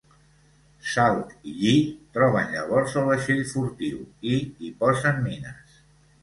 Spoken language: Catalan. Salt i Lli troben llavors el vaixell furtiu i hi posen mines.